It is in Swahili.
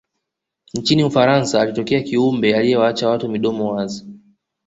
nchini ufaransa alitokea kiumbe aliyewaacha watu midomo wazi